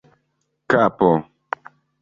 kapo